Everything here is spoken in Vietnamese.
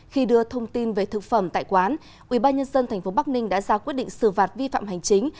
khi đưa thông tin về thực phẩm tại quán ubnd tp bắc ninh đã ra quyết định xử phạt vi phạm hành chính